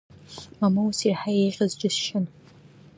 Мамоу ус еиҳа еиӷьыз џьысшьан…